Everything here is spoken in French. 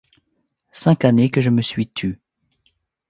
Cinq années que je me suis tue.